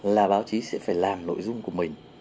là báo chí sẽ phải làm nội dung của mình